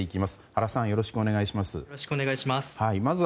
原さん、よろしくお願いします。